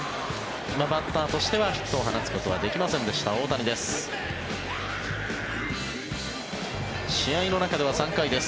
バッターとしてはヒットを放つことはできませんでした大谷です。